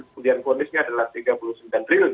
kemudian polisnya adalah tiga puluh sembilan triliun